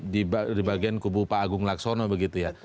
di bagian kubu pak agung laksono begitu ya